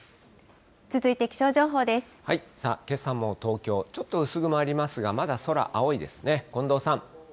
さあ、けさも東京、ちょっと薄雲ありますが、まだ空、青いですね。